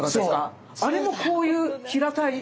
あれもこういう平たい。